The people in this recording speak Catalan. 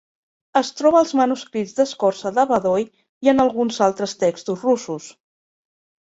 Es troba als manuscrits d'escorça de bedoll i en alguns altres textos russos.